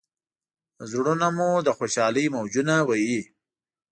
زړونه مو له خوشالۍ موجونه وهي.